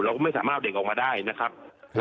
เราก็ไม่สามารถเอาเด็กออกมาได้นะครับ